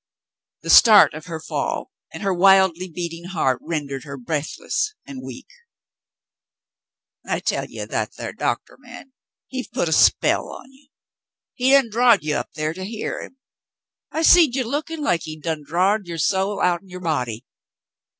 The start of her fall and her wildly beating heart rendered her breathless and weak. "I tell you that thar doctah man, he have put a spell on you. He done drawed you up thar to hear to him. I seed you lookin' like he'd done drawed yuer soul outen yuer body.